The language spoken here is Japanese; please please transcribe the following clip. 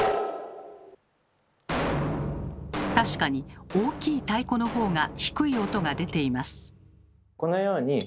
確かに大きい太鼓の方が低い音が出ています。